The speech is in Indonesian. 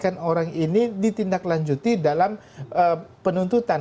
kemudian orang ini ditindaklanjuti dalam penuntutan